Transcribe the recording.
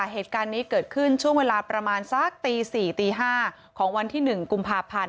เหตุการณ์นี้เกิดขึ้นช่วงเวลาประมาณสักตี๔ตี๕ของวันที่๑กุมภาพันธ์